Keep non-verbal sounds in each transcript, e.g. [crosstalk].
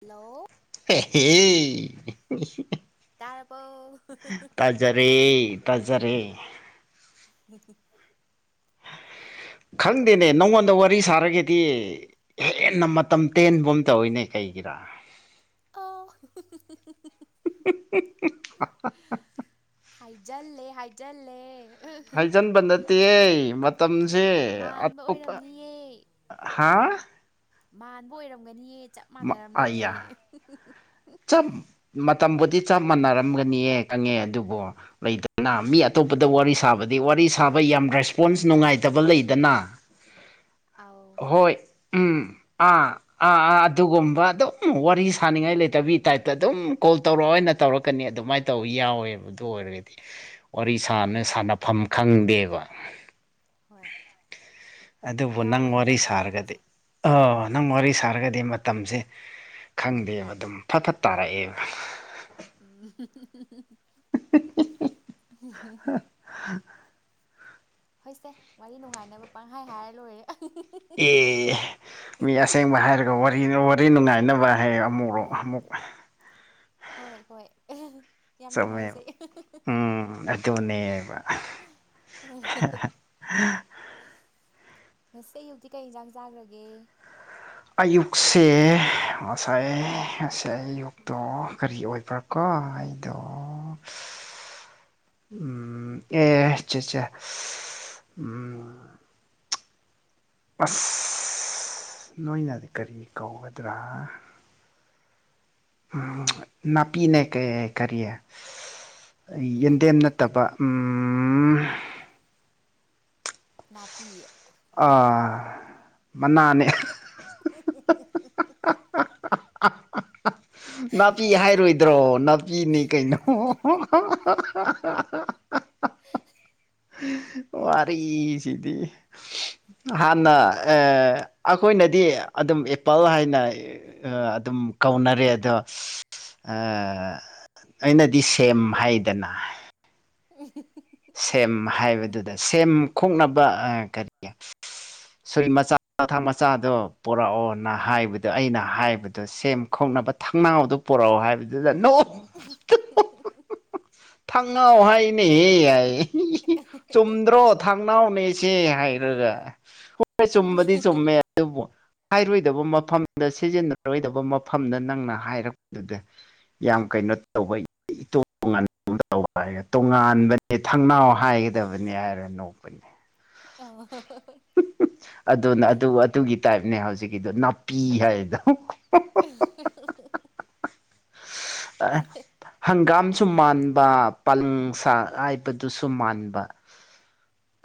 hello ꯇꯥꯔꯕꯣ [unintelligible] ꯇꯖꯔꯦ ꯇꯖꯔꯦ [inaudible] [inaudible] ꯈꯪꯗꯦꯅꯦ ꯅꯪꯉꯣꯟꯗ ꯋꯥꯔꯤ ꯁꯥꯔꯒꯗꯤ ꯍꯦꯟꯅ ꯃꯇꯝ ꯇꯦꯟꯕꯒꯨꯝ ꯇꯧꯋꯤꯅꯦ ꯀꯩ ꯏꯒꯤꯔ ꯑꯥ ꯍꯡ ꯍꯡꯍꯡ [unintelligible] ꯍꯥꯏꯖꯤꯜꯂꯦ ꯍꯥꯏꯖꯤꯜꯂꯦ ꯍꯥꯏꯖꯤꯟꯕ ꯅꯠꯇꯦ ꯃꯇꯝꯁꯦ ꯃꯥꯟꯕ ꯑꯇꯣꯞꯄ ꯑꯣꯏꯔꯝꯅꯤꯌꯦ ꯍꯥꯥ ꯃꯥꯟꯕ ꯑꯣꯏꯔꯝꯒꯅꯤꯌꯦ ꯆꯥꯞ ꯃꯥꯟꯅꯔꯝꯗꯣꯏꯅꯦ ꯑꯌꯥ ꯑꯍꯤ ꯍꯤꯍꯤ ꯆꯞ ꯃꯇꯝꯕꯨꯗꯤ ꯆꯞ ꯃꯥꯟꯅꯔꯝꯒꯅꯤꯌꯦ ꯈꯪꯉꯦ ꯑꯗꯨꯕꯨ ꯂꯩꯗꯅ ꯃꯤ ꯑꯇꯣ ꯑꯇꯣꯞꯄꯗ ꯋꯥꯔꯤ ꯁꯥꯕꯗꯤ ꯋꯥꯔꯤ ꯁꯥꯕ ꯌꯥꯝ ꯔꯦꯁꯄꯣꯟꯁ ꯅꯨꯡꯉꯥꯏꯇꯕ ꯂꯩꯗꯅ ꯑꯥꯎ ꯍꯣꯏ ꯎꯝ ꯑꯥ ꯑꯥ ꯑꯥ ꯑꯗꯨꯒꯨꯝꯕ ꯑꯗꯨꯝ ꯋꯥꯔꯤ ꯁꯥꯅꯤꯡꯉꯥꯏ ꯂꯩ ꯇꯕꯤ ꯇꯥꯏꯞꯇ ꯑꯗꯨꯝ ꯀꯣꯜ ꯇꯧꯔꯛꯑꯣ ꯑꯣꯏꯅ ꯇꯧꯔꯛꯀꯅꯤ ꯑꯗꯨꯃꯥꯏꯅ ꯇꯧꯕ ꯌꯥꯎꯋꯦꯕ ꯑꯗꯨ ꯑꯣꯏꯔꯒꯗꯤ ꯋꯥꯔꯤꯁꯥꯅ ꯑꯥ ꯁꯥꯅꯐꯝ ꯈꯪꯗꯦꯕ ꯍꯣꯏ ꯑꯗꯨꯕꯨ ꯅꯪ ꯌꯥꯎꯋꯦ ꯋꯥꯔꯤ ꯑꯗꯨꯃꯥꯏꯅ ꯇꯧꯕ ꯁꯥꯔꯒꯗꯤ ꯃꯤꯁꯦ ꯑꯥ ꯅꯪ ꯋꯥꯔꯤ ꯁꯥꯔꯒꯗꯤ ꯃꯇꯝꯁꯦ ꯈꯪꯗꯦꯕ ꯑꯗꯨꯝ ꯐꯠ ꯐꯠ ꯇꯥꯔꯛꯑꯦꯕ [unintelligible] ꯍꯣꯏꯁꯦ ꯋꯥꯔꯤ ꯅꯨꯡꯉꯥꯏꯅꯕ ꯄꯪꯍꯥꯏ ꯍꯥꯏꯔ ꯂꯣꯏꯔꯦ ꯑꯦ ꯃꯤ ꯑꯁꯦꯡꯕ ꯍꯥꯏꯔꯒ ꯋꯥꯔꯤ ꯋꯥꯔꯤ ꯅꯨꯡꯉꯥꯏꯅꯕ ꯍꯌꯦ ꯑꯃꯨꯛꯔꯣ ꯑꯃꯨꯛ ꯍꯣꯏ ꯍꯣꯏ ꯌꯥꯝ ꯆꯨꯝꯃꯦꯕ ꯅꯨꯡꯉꯥꯏꯖꯩ ꯑꯝ ꯑꯗꯨꯅꯦꯕ ꯑꯍꯥꯍꯥ [unintelligible] ꯉꯁꯤ ꯑꯌꯨꯛꯇꯤ ꯀꯩ ꯏꯟꯁꯥꯡ ꯆꯥꯈ꯭ꯔꯒꯦ ꯑꯌꯨꯛꯁꯦ ꯉꯁꯥꯏ ꯉꯁꯥꯏ ꯑꯌꯨꯛꯇꯣ ꯀꯔꯤ ꯑꯣꯏꯕ꯭ꯔꯥ ꯀꯎ ꯑꯩꯥꯏꯗꯣ ꯎꯝ ꯑꯦ ꯑꯆꯥ ꯑꯆꯥ ꯎꯝ ꯑꯁ ꯑꯁ ꯅꯣꯏꯅꯗꯤ ꯀꯔꯤ ꯀꯧꯒꯗ꯭ꯔꯥ ꯎꯝ ꯅꯥꯄꯤꯅꯦ ꯀꯩ ꯀꯔꯤ ꯌꯦꯟꯗꯦꯝ ꯅꯠꯇꯕ ꯑꯝ ꯅꯥꯄꯤ ꯑꯥ ꯃꯅꯥꯅꯦ [inaudible] ꯅꯥꯄꯤ ꯍꯥꯏꯔꯣꯏꯗ꯭ꯔꯣ ꯅꯥ ꯄꯤꯅꯤ ꯀꯩꯅꯩ ꯅꯣ ꯑꯍꯥꯍꯥꯍꯥꯍꯥꯍꯥ ꯋꯥꯔꯤꯁꯤꯗꯤ ꯍꯥꯟꯅ ꯑꯩꯈꯣꯏꯅꯗꯤ ꯑꯗꯨꯝ ꯑꯦꯄꯜ ꯍꯥꯏꯅ ꯑꯗꯨꯝ ꯀꯧꯅꯔꯦ ꯑꯗꯣ ꯑꯥ ꯑꯩꯅꯗꯤ ꯁꯦꯝ ꯍꯥꯏꯗꯅ ꯑꯦ [inaudible] ꯁꯦꯝ ꯍꯥꯏꯕꯗꯨꯗ ꯁꯦꯝ ꯈꯣꯛꯅꯕ ꯀꯔꯤ ꯁꯣꯔꯤ ꯃꯆꯥ ꯊꯥꯡ ꯃꯆꯥꯗꯣ ꯄꯨꯔꯛꯎ ꯄꯨꯔꯛꯑꯣꯅ ꯎꯝ ꯍꯥꯏꯕꯗꯣ ꯑꯩꯅ ꯍꯥꯏꯕꯗꯣ ꯁꯦꯝ ꯈꯣꯛꯅꯕ ꯊꯥꯡꯅꯥꯎꯗꯣ ꯄꯨꯔꯛꯑꯣ ꯍꯥꯏꯕꯗꯨꯗ ꯑꯗꯨꯝ [inaudible] ꯊꯥꯡꯅꯥꯎ ꯍꯥꯏꯌꯦꯅꯦ ꯆꯨꯝꯗ꯭ꯔꯣ ꯊꯥꯡꯅꯥꯎꯅꯦꯁꯦ ꯍꯥꯏꯔꯒ ꯍꯣꯏ ꯆꯨꯝꯕꯗꯤ ꯆꯨꯝꯃꯦ ꯑꯗꯨꯕꯨ ꯍꯥꯏꯔꯣꯏꯗꯕ ꯃꯐꯝꯗ ꯁꯤꯖꯤꯟꯅꯔꯣꯏꯗꯕ ꯃꯐꯝꯗ ꯅꯪꯅ ꯍꯥꯏꯔꯛꯄꯗꯨꯗ ꯌꯥꯝ ꯀꯩꯅꯣ ꯇꯧꯕ ꯏꯇꯣꯞ ꯇꯣꯉꯥꯟꯕ ꯇꯣꯉꯥꯟꯕꯅꯤ ꯑꯦ ꯊꯪꯅꯥꯎ ꯍꯥꯏꯒꯗꯕꯅꯤ ꯍꯥꯏꯔꯣ ꯅꯣꯛꯄꯅꯦ ꯑꯗꯨꯅ ꯑꯗꯨ ꯑꯗꯨꯒꯤ ꯇꯥꯏꯞꯅꯦ ꯍꯧꯖꯤꯛꯀꯤꯗꯣ ꯅꯥꯄꯤ ꯍꯥꯏꯔꯤꯗꯣ [inaudible] ꯑꯗꯨꯁꯨ ꯃꯥꯟꯕ ꯄꯜꯂꯪꯁꯛ ꯍꯥꯏꯕꯗꯨꯁꯨ ꯃꯥꯟꯕ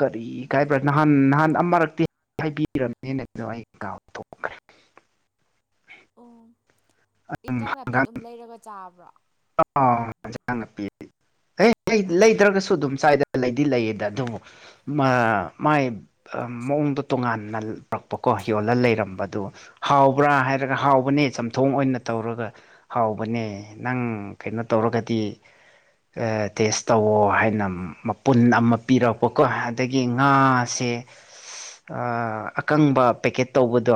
ꯀꯔꯤ ꯏꯀꯥꯏꯕ ꯎꯝ ꯅꯍꯥꯟ ꯅꯍꯥꯟ ꯃꯔꯛꯇꯤ ꯍꯥꯏꯕꯤꯔꯝꯅꯤꯅ ꯑꯗꯨ ꯑꯩ ꯀꯥꯎ ꯊꯣꯛꯈ꯭ꯔꯦ ꯑꯣ ꯏꯟꯖꯥꯡ ꯅꯥꯄꯤ ꯑꯗꯨꯝ ꯂꯩꯔꯒ ꯆꯥꯕ꯭ꯔꯣ ꯑ ꯌꯦꯟꯁꯥꯡ ꯅꯄꯤꯗꯤ ꯀꯩꯃꯇ ꯂꯩꯗ꯭ꯔꯒꯁꯨ ꯑꯗꯨꯝ ꯆꯥꯏꯗ ꯂꯩꯗꯤ ꯂꯩꯌꯦꯗ ꯑꯗꯨꯕꯨ ꯃꯥꯏ ꯃꯑꯣꯡꯗꯣ ꯇꯣꯉꯥꯟꯅ ꯌꯣꯂ ꯂꯩꯔꯝꯕꯗꯨ ꯍꯥꯎꯕ꯭ꯔꯥ ꯍꯥꯏꯔꯒ ꯍꯥꯎ ꯍꯧꯕꯅꯦ ꯆꯝꯊꯣꯡ ꯑꯣꯏꯅ ꯇꯧꯔꯒ ꯍꯥꯎꯕꯅꯦ ꯅꯪ ꯀꯩꯅꯣ ꯇꯧꯔꯒꯗꯤ ꯇꯦꯁ ꯇꯧꯋꯣ ꯍꯥꯏꯅ ꯃꯄꯨꯟ ꯑꯃ ꯄꯤꯔꯛꯄꯀꯣ ꯑꯗꯒꯤ ꯉꯥꯁꯦ ꯑ ꯑꯀꯪꯕ ꯄꯦꯛꯀꯦꯠ ꯇꯧꯕꯗꯣ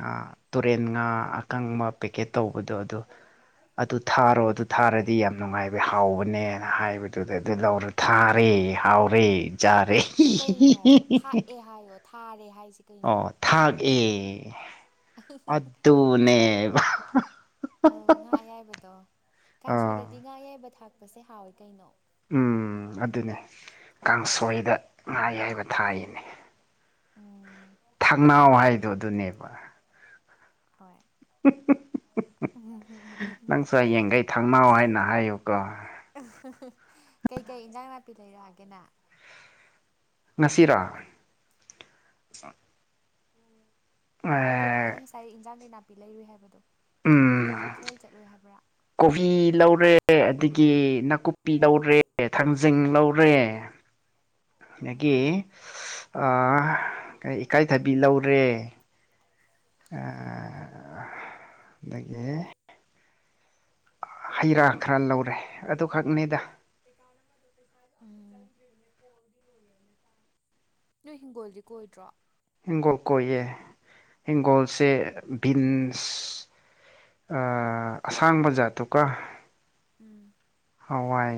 ꯎꯝ ꯇꯨꯔꯦꯟ ꯉꯥ ꯑꯀꯪꯕ ꯄꯦꯀꯦꯠ ꯇꯧꯕꯗꯣ ꯑꯗꯣ ꯑꯗꯨ ꯊꯥꯔꯣ ꯑꯗꯨ ꯊꯥꯔꯗꯤ ꯌꯥꯝ ꯅꯨꯡꯉꯥꯏꯕꯅꯦ ꯍꯥꯎꯕꯅꯦ ꯍꯥꯏꯕꯗꯨꯗ ꯑꯗꯨ ꯂꯧꯔꯗꯤ ꯊꯥꯔꯦ ꯍꯥꯎꯔꯦ ꯆꯔꯦ ꯀꯩꯅꯣ ꯊꯥꯛꯑꯦ ꯍꯥꯏꯌꯣ ꯊꯥꯔꯦ ꯍꯥꯏꯁꯤ ꯀꯩꯅꯣ ꯑꯣ ꯊꯥꯛ ꯑꯦ ꯑꯗꯨꯅꯦꯕ ꯑꯧ ꯉꯥ ꯑꯌꯥꯏꯕꯗꯣ ꯑꯥ ꯀꯥꯡꯁꯣꯏꯗꯗꯤ ꯉꯥꯌꯥꯏꯕ ꯊꯥꯛꯄꯁꯦ ꯍꯥꯎꯋꯦ ꯀꯩꯅꯣ ꯎꯝ ꯑꯗꯨꯅꯦ ꯀꯥꯡꯁꯣꯏꯗ ꯉꯥ ꯑꯌꯥꯏꯕ ꯊꯥꯛꯏꯅꯦ ꯎꯝ ꯊꯥꯛꯅꯥꯎ ꯍꯥꯏꯗꯣ ꯑꯗꯨꯅꯦꯕ ꯍꯣꯏ [inaudible] ꯅꯪꯁꯨ ꯍꯌꯦꯡꯈꯩ ꯊꯪꯅꯥꯎ ꯍꯥꯏꯅ ꯍꯥꯏꯌꯨꯀꯣ ꯀꯩꯀꯩ ꯌꯦꯟꯖꯥꯡ ꯅꯥꯄꯤ ꯂꯩꯔꯛꯑꯒꯦꯅ ꯉꯁꯤꯔꯥ ꯑ ꯅꯠꯇꯦ ꯅꯪ ꯉꯁꯥꯏ ꯌꯦꯟꯖꯥꯡ ꯅꯥꯄꯤ ꯂꯩꯔꯨꯏ ꯍꯥꯏꯕꯗꯣ ꯎꯝ ꯀꯩꯊꯦꯜ ꯆꯠꯂꯨꯏ ꯍꯥꯏꯕꯗꯣ [inaudible] ꯀꯣꯕꯤ ꯂꯧꯔꯦ ꯑꯗꯒꯤ ꯅꯥꯀꯨꯞꯄꯤ ꯂꯧꯔꯦ ꯊꯥꯡꯖꯤꯡ ꯂꯧꯔꯦ ꯑꯗꯒꯤ ꯎꯝ ꯑ ꯑꯁ ꯏꯀꯥꯏꯊꯕꯤ ꯂꯧꯔꯦ ꯑꯗꯒꯤ ꯍꯩ ꯔꯥ ꯈꯔ ꯂꯧꯔꯦ ꯑꯗꯨꯈꯛꯅꯤꯗ ꯑ ꯅꯣꯏ ꯍꯤꯡꯒꯣꯜꯗꯤ ꯀꯣꯏꯗ꯭ꯔꯣ ꯍꯤꯡꯒꯣꯜ ꯀꯣꯏꯌꯦ ꯍꯤꯡꯒꯣꯜꯁꯦ ꯚꯤꯟꯁ ꯑ ꯑꯁꯥꯡꯕ ꯖꯥꯠꯇꯨꯀ ꯎꯝ ꯍꯋꯥꯏ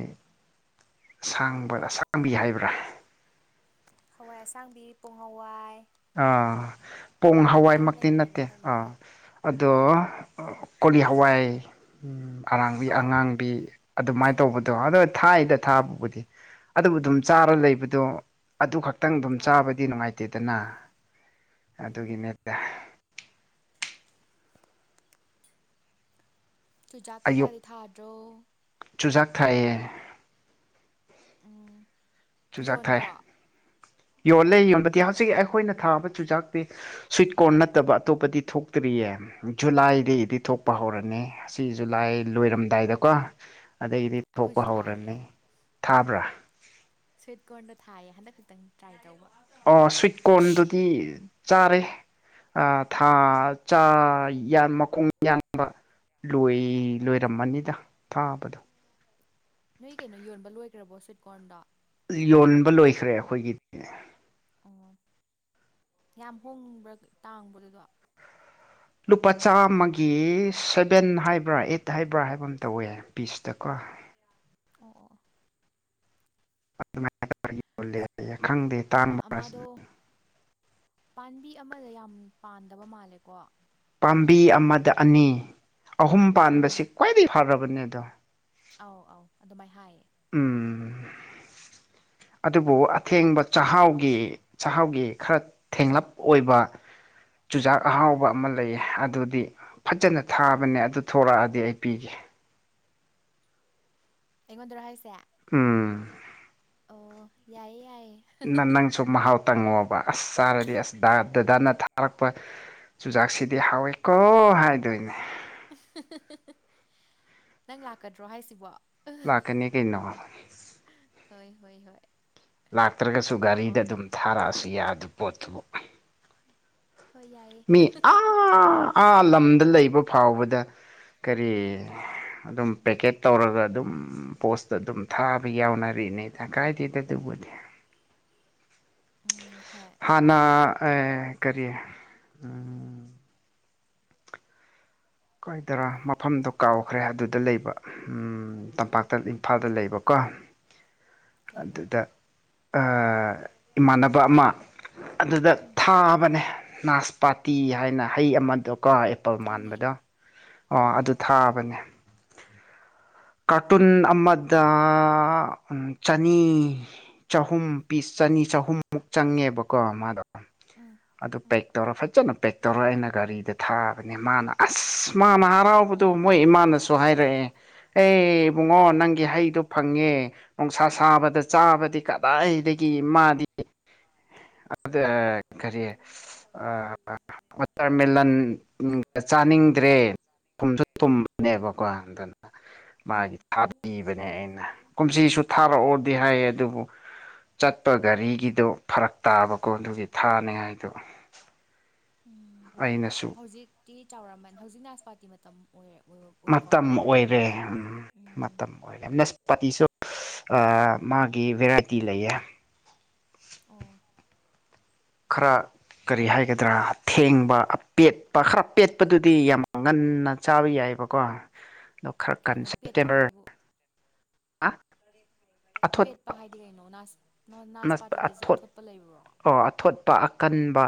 ꯑꯁꯥꯡꯕ ꯑꯁꯥꯡꯕꯤ ꯍꯥꯏꯕ꯭ꯔꯥ ꯍꯋꯥꯏ ꯑꯁꯥꯡꯕꯤ ꯄꯣꯡ ꯍꯋꯥꯏ ꯑꯥ ꯄꯣꯡ ꯃꯌꯥꯝ ꯍꯋꯥꯏꯃꯛꯇꯤ ꯂꯩꯕꯅꯦ ꯅꯠꯇꯦ ꯃꯈꯜ ꯑꯥ ꯃꯈꯜ ꯑꯗꯣ ꯀꯣꯂꯤ ꯍꯋꯥꯏ ꯑꯔꯥꯡꯕꯤ ꯑꯧ ꯑꯧ ꯑꯧ ꯑꯉꯥꯡꯕꯤ ꯑꯗꯨꯃꯥꯏꯅ ꯇꯧꯕꯗꯣ ꯑꯗꯣ ꯊꯥꯏꯗ ꯊꯥꯕꯕꯨꯗꯤ ꯑꯗꯨ ꯑꯗꯨꯝ ꯆꯥꯔ ꯂꯩꯕꯗꯣ ꯑꯗꯨ ꯈꯛꯇ ꯈꯤꯇꯪ ꯑꯗꯨꯝ ꯑꯧ ꯆꯥꯕꯗꯤ ꯅꯨꯡꯉꯥꯏꯇꯦꯗꯅ ꯎꯝ ꯑꯗꯨꯒꯤꯅꯤꯇꯥ ꯆꯨꯖꯥꯛ ꯑꯌꯨꯛ ꯀꯩꯀꯥꯗꯤ ꯊꯥꯗ꯭ꯔꯣ ꯆꯨꯖꯥꯛ ꯊꯥꯏꯌꯦ ꯎꯝ ꯆꯨꯖꯥꯛ ꯊꯥꯏ ꯌꯣꯟꯗ꯭ꯔꯣ ꯌꯣꯜꯂꯦ ꯌꯣꯟꯕꯗꯤ ꯍꯧꯖꯤꯛ ꯑꯩꯈꯣꯏꯅ ꯊꯥꯕ ꯆꯨꯖꯥꯛꯇꯤ ꯁ꯭ꯋꯤꯠ ꯀꯣꯔꯟ ꯅꯠꯇꯕ ꯑꯇꯣꯞꯄꯗꯤ ꯊꯣꯛꯇ꯭ꯔꯤꯕ ꯀꯔꯤꯌꯦ ꯖꯨꯂꯥꯏꯗꯒꯤꯗꯤ ꯊꯣꯛꯄ ꯍꯧꯔꯅꯤ ꯑꯁꯤ ꯖꯨꯂꯥꯏ ꯂꯣꯏꯔꯝꯗꯥꯏꯗꯀꯣ ꯑꯗꯒꯤꯗꯤ ꯑꯩꯈꯣꯏꯁꯨ ꯊꯣꯛꯄ ꯊꯥꯏꯌꯦ ꯍꯧꯔꯅꯤ ꯊꯥꯕ꯭ꯔꯥ ꯁ꯭ꯋꯤꯠ ꯀꯣꯔꯟꯗꯣ ꯊꯥꯏꯌꯦ ꯍꯟꯗꯛ ꯈꯛꯇꯪ ꯇ꯭ꯔꯥꯏ ꯇꯧꯕ ꯑꯣ ꯁ꯭ꯋꯤꯠ ꯀꯣꯔꯟꯗꯨꯗꯤ ꯆꯥꯔꯦ ꯊꯥ ꯆ ꯃꯈꯣꯡ ꯌꯥꯟꯕ ꯂꯣꯏ ꯂꯣꯏꯔꯝꯃꯅꯤꯗ ꯊꯥꯕꯗꯣ ꯅꯣꯏ ꯀꯩꯅꯣ ꯌꯣꯟꯕ ꯂꯣꯏꯈ꯭ꯔꯕꯣ ꯁꯋꯤꯠꯀꯣꯟꯗ ꯌꯣꯟꯕ ꯂꯣꯏꯈ꯭ꯔꯦ ꯑꯩꯈꯣꯏꯒꯤꯗꯤ ꯑꯣ ꯌꯥꯝ ꯍꯣꯡꯕ꯭ꯔꯥ ꯇꯥꯡꯕꯗꯨꯗꯣ ꯂꯨꯄꯥ ꯆꯥꯝꯃꯒꯤ ꯁꯚꯦꯟ ꯍꯥꯏꯕ꯭ꯔꯥ ꯑꯩꯠ ꯍꯥꯏꯕ꯭ꯔꯥ ꯍꯥꯏꯕ ꯑꯃ ꯇꯧꯋꯦ ꯄꯤꯁꯇꯀ ꯑꯣ ꯑꯗꯨ ꯌ ꯍꯥꯏ ꯈꯪꯗꯦ ꯑꯣ ꯇꯥꯡꯕ ꯃꯥꯗꯣ ꯄꯥꯝꯕꯤ ꯑꯃꯗ ꯌꯥꯝ ꯄꯥꯟꯗꯕ ꯃꯥꯜꯂꯦꯀꯣ ꯄꯥꯝꯕꯤ ꯑꯃꯗ ꯑꯅꯤ ꯑꯍꯨꯝ ꯎꯝ ꯄꯥꯟꯕꯁ ꯈ꯭ꯋꯥꯏꯗꯒꯤ ꯐꯔꯕꯅꯦ ꯑꯗꯣ ꯑꯧ ꯑꯧ ꯑꯗꯨꯃꯥꯏꯅ ꯍꯥꯏꯌꯦ ꯎꯝ ꯑꯗꯨꯕꯨ ꯑꯊꯦꯡꯕ ꯆꯥꯛꯍꯥꯎꯒꯤ ꯆꯥꯛꯍꯥꯎꯒꯤ ꯈꯔ ꯊꯦꯡꯂꯞ ꯑꯣꯏꯕ ꯆꯨꯖꯥꯛ ꯑꯍꯥꯎꯕ ꯑꯃ ꯂꯩꯌꯦ ꯑꯗꯨꯗꯤ ꯐꯖꯅ ꯊꯥꯕꯅꯦ ꯑꯗꯨ ꯊꯣꯔꯛꯑꯗꯤ ꯑꯩ ꯄꯤꯒꯦ [unintelligible] ꯑꯩꯉꯣꯟꯗꯔ ꯍꯥꯏꯁꯦ ꯎꯝ ꯑꯣ ꯌꯥꯏꯌꯦ ꯌꯥꯏꯌꯦ ꯅ ꯅꯪꯁꯨ ꯃꯍꯥꯎ ꯇꯪꯉꯣꯕ ꯑꯁ ꯆꯥꯔꯗꯤ ꯑꯁ ꯗꯥ ꯗꯗꯥꯅ ꯊꯥꯔꯛꯄ ꯆꯨꯖꯥꯛꯁꯤꯗꯤ ꯍꯥꯎꯋꯦꯀꯣ ꯍꯥꯏꯗꯣꯏꯅꯦ ꯅꯪ ꯂꯥꯛꯀꯗ꯭ꯔꯣ ꯍꯥꯏꯁꯤꯕꯣ ꯂꯀꯅꯤ ꯀꯩꯅꯣ ꯋꯥ ꯍꯣꯏ ꯍꯣꯏ ꯍꯣꯏ ꯂꯥꯛꯇ꯭ꯔꯒꯁꯨ ꯂꯥꯛꯑꯣ ꯒꯥꯔꯤꯗ ꯑꯗꯨꯝ ꯊꯥꯔꯛꯑꯁꯨ ꯌꯥ ꯑꯗꯨ ꯄꯣꯠꯇꯨꯕꯨ ꯍꯣꯏ ꯌꯥꯏꯌꯦ ꯃꯤ ꯑꯥ ꯑꯥ ꯂꯝꯗ ꯂꯩꯕ ꯐꯥꯎꯕꯗ ꯀꯔꯤ ꯑꯗꯨꯝ ꯄꯦꯛꯀꯦꯠ ꯇꯧꯔꯒ ꯑꯗꯨꯝ ꯄꯣꯁꯇ ꯑꯗꯨꯝ ꯊꯥꯕ ꯌꯥꯎꯅꯔꯤꯅꯦꯗ ꯀꯥꯏꯗꯦꯗ ꯑꯗꯨꯕꯨꯗꯤ [inaudible] ꯎꯝ ꯍꯣꯏ ꯍꯥꯟꯅ ꯑꯩ ꯀꯔꯤ ꯎꯝ ꯀꯣꯏꯗꯔꯥ ꯃꯐꯝꯗꯣ ꯀꯥꯎꯈ꯭ꯔꯦ ꯑꯗꯨꯗ ꯂꯩꯕ ꯎꯝ ꯇꯝꯄꯥꯛꯇ ꯏꯝꯐꯥꯜꯗ ꯂꯩꯕꯀꯣ ꯀꯩꯕꯣ ꯑꯗꯨꯗ ꯑꯥ ꯏꯃꯥꯟꯅꯕ ꯑꯃ ꯑꯗꯨꯗ ꯎꯝ ꯊꯥꯕꯅꯦ ꯅꯥꯁꯄꯥꯇꯤ ꯍꯥꯏꯅ ꯍꯩ ꯑꯃꯗꯣꯀꯣ ꯑꯦꯄꯜ ꯈꯪꯉꯦ ꯃꯥꯟꯕꯗꯣ ꯑꯣ ꯑꯗꯨ ꯑꯧ ꯊꯥꯕꯅꯦ ꯀꯥꯔꯇꯨꯟ ꯑꯃꯗꯥ ꯆꯅꯤ ꯆꯍꯨꯝ ꯄꯤꯁ ꯆꯅꯤ ꯆꯍꯨꯝꯃꯨꯛ ꯆꯪꯉꯦꯕꯀꯣ ꯃꯥꯗꯣ ꯎꯝ ꯑꯗꯨ ꯄꯦꯛ ꯎꯝ ꯇꯧꯔ ꯐꯖꯅ ꯄꯦꯛ ꯇꯧꯔ ꯑꯩꯅ ꯒꯥꯔꯤꯗ ꯊꯥꯕꯅꯦ ꯃꯥꯅ ꯑꯁ ꯃꯥꯅ ꯍꯔꯥꯎꯕꯗꯣ ꯃꯣꯏ ꯏꯃꯥꯅꯁꯨ ꯍꯥꯏꯔꯛꯑꯦ ꯑꯦ ꯏꯕꯨꯡꯉꯣ ꯅꯪꯒꯤ ꯍꯩꯗꯨ ꯐꯪꯉꯦ ꯅꯨꯡꯁꯥ ꯁꯥꯕꯗ ꯆꯥꯕꯗꯤ ꯀꯗꯥꯏꯗꯒꯤ ꯃꯥꯗꯤ ꯑꯗ ꯀꯔꯤ ꯑꯥ ꯋꯥꯇꯔꯃꯦꯂꯟꯒ ꯆꯥꯅꯤꯡꯗ꯭ꯔꯦ ꯊꯨꯝꯁꯨ ꯎꯝ ꯊꯨꯝꯕꯅꯦꯕꯀꯣ ꯑꯗꯨꯅ ꯃꯥꯒꯤ ꯎꯝ ꯊꯥꯕꯤꯕꯅꯦ ꯑꯩꯅ ꯀꯨꯝꯁꯤꯁꯨ ꯊꯥꯔꯛꯑꯣꯗꯤ ꯍꯥꯏꯌꯦ ꯑꯗꯨꯕꯨ ꯆꯠꯄ ꯒꯥꯔꯤꯒꯤꯗꯣ ꯐꯔꯛ ꯇꯥꯕꯀꯣ ꯑꯗꯨꯒꯤ ꯊꯥꯅꯤꯉꯥꯏꯗꯣ ꯑꯩꯅꯁꯨ ꯇꯤ ꯆꯥꯎꯔꯝꯃꯅꯤ ꯍꯧꯖꯤꯛ ꯅꯥꯁꯄꯥꯇꯤ ꯃꯇꯝ ꯑꯣꯏꯔꯕꯣ ꯃꯇꯝ ꯑꯣꯏꯔꯦ ꯎꯝ ꯎꯝ ꯃꯇꯝ ꯑꯣꯏꯔꯦ ꯅꯁ ꯄꯇꯤꯁꯨ ꯃꯥꯒꯤ ꯚꯦꯔꯥꯏꯇꯤ ꯂꯩꯌꯦ ꯑꯣ ꯈꯔ ꯀꯔꯤ ꯍꯥꯏꯒꯗ꯭ꯔꯥ ꯊꯦꯡꯕ ꯑꯄꯦꯠꯄ ꯈꯔ ꯄꯦꯠꯄꯗꯨꯗꯤ ꯌꯥꯝ ꯉꯟꯅ ꯆꯥꯕ ꯌꯥꯏ [unintelligible] ꯀꯣ ꯗꯣ ꯈꯔ ꯀꯩꯅꯣ ꯄꯦꯠꯄ ꯀꯟꯁꯟꯞꯇꯦꯝꯅꯔ ꯍꯥꯏꯕꯨ ꯄꯦꯠꯄ ꯍꯥꯏꯗꯤ ꯀꯩꯅꯣ ꯅꯥꯁ ꯅꯁ ꯅꯥꯁꯄꯥꯇꯤꯗꯁꯨ ꯑꯊꯣꯠ ꯑꯊꯣꯠꯄ ꯂꯩꯕ꯭ꯔꯣ ꯑꯣ ꯑꯊꯣꯠꯄ ꯑꯀꯟꯕ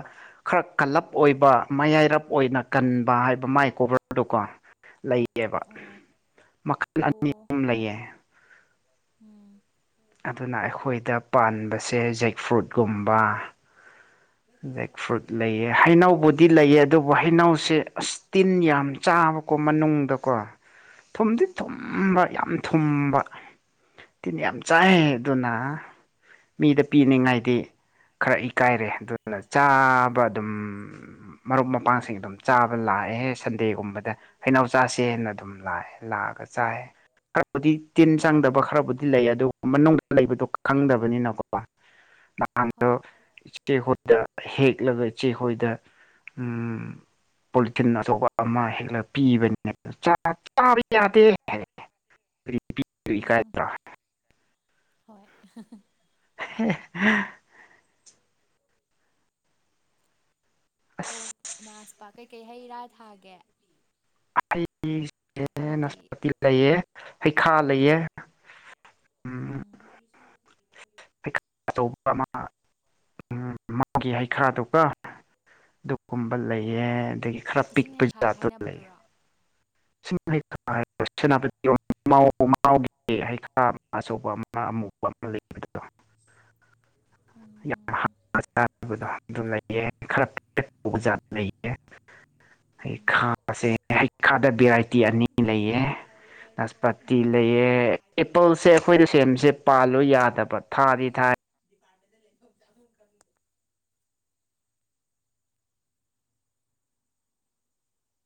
ꯈꯔ ꯀꯜꯂꯞ ꯑꯣꯏꯕ ꯃꯌꯥꯏꯔꯞ ꯑꯣꯏꯅ ꯀꯟꯕ ꯍꯥꯏꯕ ꯃꯥꯏ ꯀꯣꯕꯔꯗꯨ ꯀꯣ ꯂꯩꯌꯦꯕ ꯃꯈꯜ ꯑꯅꯤ ꯑꯣ ꯑꯍꯨꯝ ꯂꯩꯌꯦ [inaudible] ꯑꯗꯨꯅ ꯑꯩꯈꯣꯏꯗ ꯄꯥꯟꯕꯁꯦ ꯖꯦꯛ ꯐ꯭ꯔꯨꯠꯀꯨꯝꯕ ꯖꯦꯛ ꯐ꯭ꯔꯨꯠ ꯂꯩꯌꯦ ꯍꯩꯅꯧꯕꯨꯗꯤ ꯂꯩꯌꯦ ꯗꯨꯕꯨ ꯍꯩꯅꯧꯁꯦ ꯑꯁ ꯇꯤꯟ ꯌꯥꯝ ꯆꯥꯕꯀꯣ ꯃꯅꯨꯡꯗꯀꯣ ꯊꯨꯝꯗꯤ ꯍꯣꯏ ꯊꯨꯝꯕ ꯌꯥꯝ ꯑꯝ ꯊꯨꯝꯕ ꯇꯤꯟ ꯌꯥꯝ ꯆꯥꯏ ꯑꯗꯨꯅ ꯃꯤꯗ ꯄꯤꯅꯤꯡꯉꯥꯏꯗꯤ ꯈꯔ ꯏꯀꯥꯏꯔꯦ ꯑꯗꯨ ꯗꯨꯅ ꯆꯥꯕ ꯑꯗꯨꯝ ꯃꯔꯨꯞ ꯃꯄꯥꯡꯁꯤꯡ ꯑꯗꯨꯝ ꯆꯥꯕ ꯂꯥꯛꯑꯦꯍꯦ ꯁꯟꯗꯦꯒꯨꯝꯕꯗ ꯍꯩꯩꯅꯧ ꯆꯥꯁꯦꯅ ꯎꯝ ꯑꯗꯨꯝ ꯂꯥꯛꯑꯦ ꯂꯥꯛꯑꯒ ꯆꯥꯏ ꯕꯨꯗꯤ ꯇꯤꯟ ꯎꯝ ꯆꯪꯗꯕ ꯈꯔꯕꯨꯗꯤ ꯂꯩ ꯑꯗꯨ ꯃꯅꯨꯡꯗ ꯂꯩꯕꯗꯣ ꯈꯪꯗꯕꯅꯤꯅꯀꯣ ꯅꯍꯥꯟꯗꯣ ꯍꯣꯏ ꯏꯆꯦꯈꯣꯏꯗ ꯍꯦꯛꯂꯒ ꯏꯆꯦꯈꯣꯏꯗ ꯎꯝ ꯄꯣꯂꯤꯊꯤꯟ ꯑꯆꯧꯕ ꯑꯃ ꯍꯦꯛꯂ ꯄꯤꯕꯅꯤꯅꯦ ꯆꯥ ꯆꯥꯕ ꯌꯥꯗꯦ ꯍꯥꯏ ꯎꯝ [unintelligible] ꯍꯣꯏ ꯍꯥ ꯑꯦꯛ ꯑꯣ ꯑꯁ ꯅꯥꯁꯄꯥ ꯀꯩꯀꯩ ꯍꯩ ꯔꯥ ꯊꯥꯒꯦ ꯑꯦ ꯑꯇꯩꯗꯤ ꯅꯥꯁꯄꯥꯇꯤ ꯂꯩꯑ ꯍꯩꯈꯥ ꯂꯩꯑ ꯎꯝ [inaudible] ꯍꯩ ꯑꯆꯧꯕ ꯑꯃ ꯎ ꯃꯥꯎꯒꯤ ꯍꯩꯈꯥꯗꯨꯀꯣ ꯑꯗꯨꯒꯨꯝꯕ ꯂꯩꯌꯦ ꯑꯗꯒꯤ ꯈꯔ ꯏꯁꯤꯡ ꯄꯤꯛꯄ ꯍꯩꯈꯥꯒ ꯖꯥꯠꯇꯨ ꯂꯩꯌꯦ ꯍꯥꯏꯅꯕꯗꯨꯔꯣ ꯁꯤ ꯁ [unintelligible] [inaudible] [inaudible] [inaudible] ꯎꯝ ꯎꯝ ꯍꯩꯈꯥꯁꯦ ꯍꯩꯈꯥꯗ ꯚꯦꯔꯥꯏꯇꯤ ꯑꯅꯤ ꯂꯩꯌꯦ ꯅꯥꯁꯄꯥꯇꯤ ꯎꯝ ꯂꯩꯌꯦ ꯑꯦꯄꯜꯁꯦ ꯑꯩꯈꯣꯏꯗ ꯁꯦꯝꯁꯦ ꯄꯥꯜ ꯌꯥꯗꯕ ꯊꯥꯗꯤ ꯊꯥꯏ [inaudible]